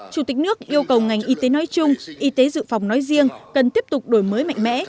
chủ tịch nước yêu cầu ngành y tế nói chung y tế dự phòng nói riêng cần tiếp tục đổi mới mạnh mẽ